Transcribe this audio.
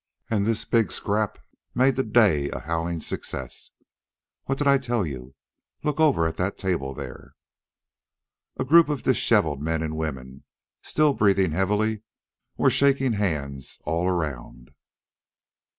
An' this big scrap's made the day a howlin' success. What did I tell you! look over at that table there." A group of disheveled men and women, still breathing heavily, were shaking hands all around.